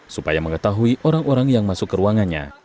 supaya mengetahui orang orang yang masuk ke ruangannya